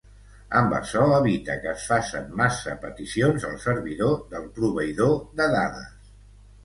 Amb açò evita que es facen massa peticions al servidor del proveïdor de dades.